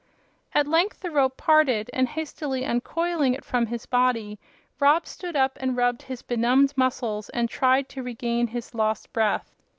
At length the rope parted, and hastily uncoiling it from his body Rob stood up and rubbed his benumbed muscles and tried to regain his lost breath.